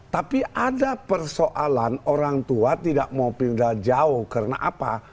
tapi ada persoalan orang tua tidak mau pindah jauh karena apa